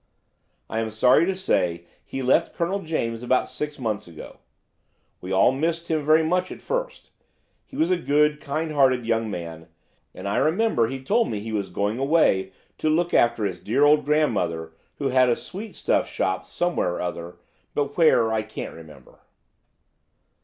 "I'm sorry to say he left Colonel James about six months ago. We all missed him very much at first. He was a good, kind hearted young man, and I remember he told me he was going away to look after his dear old grandmother, who had a sweet stuff shop somewhere or other, but where I can't remember."